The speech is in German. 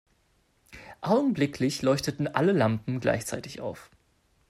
Augenblicklich leuchteten alle Lampen gleichzeitig auf.